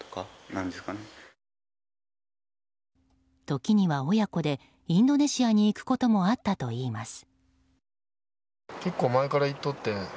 時には親子でインドネシアに行くこともあったといいます。